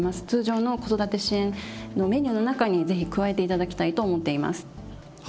通常の子育て支援のメニューの中に是非加えていただきたいと思っています。